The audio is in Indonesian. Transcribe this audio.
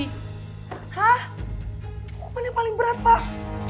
hah hukuman yang paling berat pak